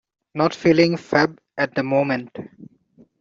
Not feeling fab at the moment.